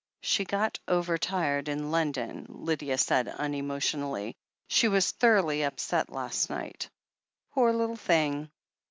"She got overtired in London," Lydia said unemo tionally. "She was thoroughly upset last night." "Poor little thing!"